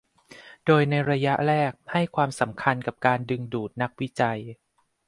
โดยในระยะแรกให้ความสำคัญกับการดึงดูดนักวิจัย